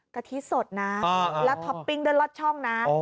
กะทิสดนะแล้วท็อปปิ้งด้วยลอดช่องนะ